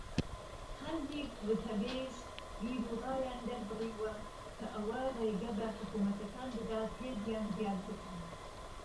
هەندێک وتەبێژ بیرو ڕایان دەربڕیووە کە ئەوە ڕێگە بە حکومەتەکان دەدات هێزیان زیاد بکەن.